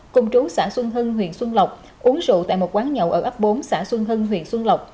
cùng chú xã xuân hưng huyện xuân lộc uống rượu tại một quán nhậu ở ấp bốn xã xuân hưng huyện xuân lộc